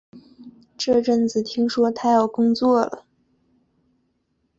这阵子听说他要工作了